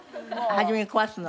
初め壊すの？